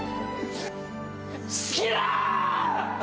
好きだー！